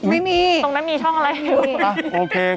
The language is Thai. ไม่มีตรงนั้นมีช่องอะไรอยู่